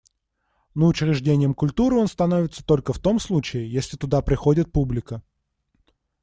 Но учреждением культуры он становится только в том случае, если туда приходит публика.